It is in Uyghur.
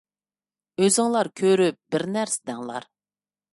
ئۆزۈڭلار كۆرۈپ بىر نەرسە دەڭلار.